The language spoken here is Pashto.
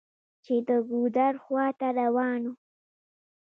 چې د ګودر خواته روان و.